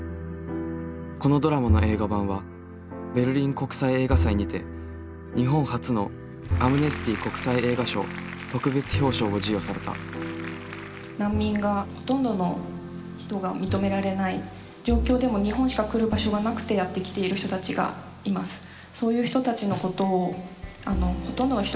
このドラマの映画版はベルリン国際映画祭にて日本初のアムネスティ国際映画賞特別表彰を授与された難民がほとんどの人が認められない状況でも日本しか来る場所がなくてやって来ている人たちがいます。